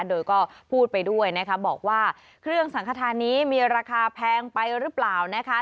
โดยก็พูดไปด้วยนะคะบอกว่าเครื่องสังขทานนี้มีราคาแพงไปหรือเปล่านะคะ